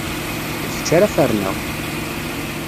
D kečč ara ferneɣ!